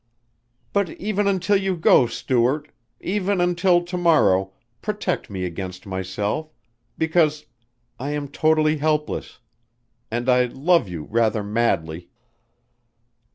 "But even until you go, Stuart ... even until to morrow, protect me against myself, because ... I am totally helpless, and I love you rather madly."